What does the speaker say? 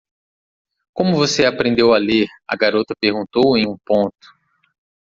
"Como você aprendeu a ler?" a garota perguntou em um ponto.